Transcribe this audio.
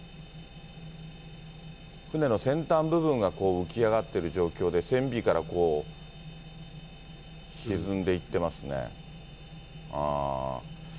船の先端部分が浮き上がってる状況で、船尾から沈んでいってますね。